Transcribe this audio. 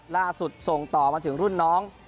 ล่าสุดส่งต่อมาถึงรุ่นน้อง